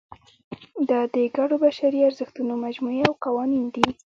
دا د ګډو بشري ارزښتونو مجموعې او قوانین دي.